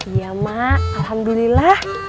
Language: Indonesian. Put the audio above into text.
iya mak alhamdulillah